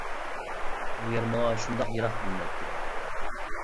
ئۇ يەر ماڭا شۇنداق يىراق بىلىنەتتى.